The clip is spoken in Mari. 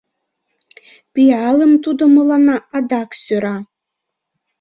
Пиалым тудо мыланна адак сӧра.